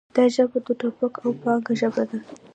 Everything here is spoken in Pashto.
دا ژبه د ټوپک او پاټک ژبه ده.